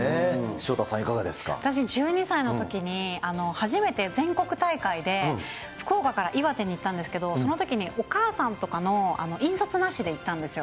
潮田さん、私１２歳のときに、初めて全国大会で、福岡から岩手に行ったんですけど、そのときにお母さんとかの引率なしで行ったんですよ。